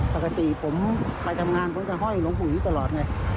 ปกติผมไปทำงานก็จะฮ่อยลงปุ๋ยีตลอดไง